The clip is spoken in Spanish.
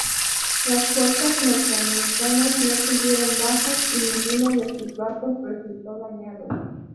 Las fuerzas norteamericanas no tuvieron bajas y ninguno de sus barcos resultó dañado.